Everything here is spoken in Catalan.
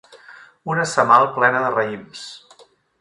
Una semal plena de raïms.